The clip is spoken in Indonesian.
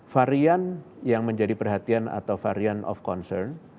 varian yang menjadi perhatian atau varian of concern